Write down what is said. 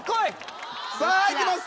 さぁいきます！